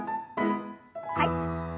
はい。